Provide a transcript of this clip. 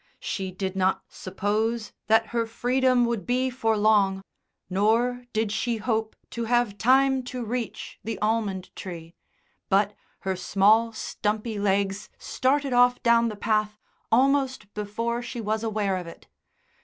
She did not suppose that her freedom would be for long, nor did she hope to have time to reach the almond tree; but her small, stumpy legs started off down the path almost before she was aware of it.